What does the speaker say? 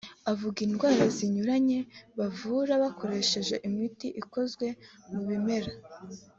avuga indwara zinyuranye bavura bakoresheje imiti ikoze mu bimera